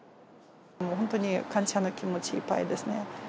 本当に感謝の気持ちいっぱいですね。